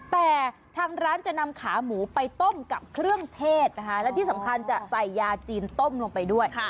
แต่ทางร้านจะนำขาหมูไปต้มกับเครื่องเทศนะคะและที่สำคัญจะใส่ยาจีนต้มลงไปด้วย